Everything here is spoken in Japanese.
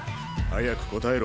早く答えろ。